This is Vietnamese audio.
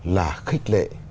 là khích lệ